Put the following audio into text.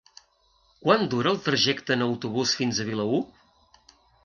Quant dura el trajecte en autobús fins a Vilaür?